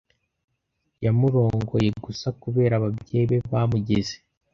Yamurongoye gusa kubera ko ababyeyi be bamugize.